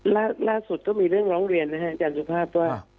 ล่าสุดก็มีเรื่องร้องเรียนนะครับอาจารย์สุภาพว่า